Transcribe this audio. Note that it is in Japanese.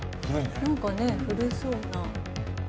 なんかね古そうな。